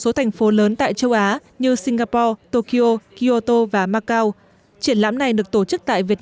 số thành phố lớn tại châu á như singapore tokyo kyoto và macau triển lãm này được tổ chức tại việt